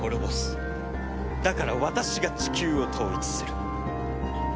だから私がチキューを統一する。